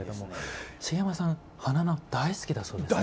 茂山さん、花菜大好きだそうですね。